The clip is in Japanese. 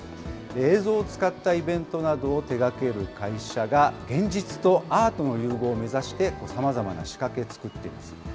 映像を使ったイベントなどを手がける会社が現実とアートの融合を目指して、さまざまな仕掛け作っています。